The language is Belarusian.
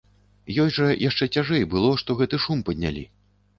Ёй жа яшчэ цяжэй было, што гэты шум паднялі.